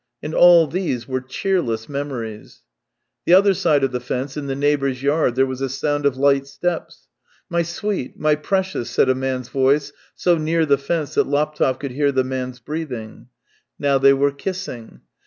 And all these were cheerless memories. The other side of the fence, in the neighbour's yard, there was a sound of light steps. " My sweet, my precious ..." said a man's voice so near the fence that Laptev could hear the man's breathing THREE YEARS 309 Now they were kissing.